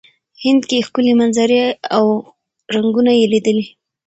هند کې ښکلې منظرې او رنګونه یې لیدلي.